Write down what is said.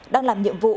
đang làm nhiệm vụ